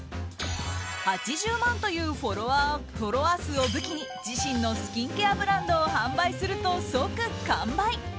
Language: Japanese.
８０万というフォロワー数を武器に自身のスキンケアブランドを販売すると即完売。